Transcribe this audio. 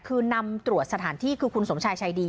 คือนำตรวจสถานที่คือคุณสมชายชายดี